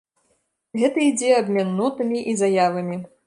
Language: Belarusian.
Гэта ідзе абмен нотамі і заявамі.